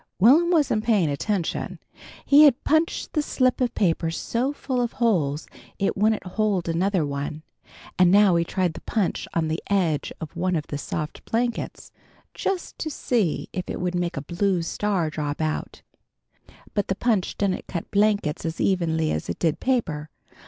Will'm wasn't paying attention. He had punched the slip of paper so full of holes it wouldn't hold another one, and now he tried the punch on the edge of one of the soft blankets, just to see if it would make a blue star drop out. But the punch didn't cut blankets as evenly as it did paper.